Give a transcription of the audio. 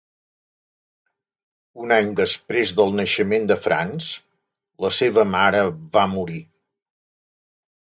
Un any després del naixement de Franz, la seva mare va morir.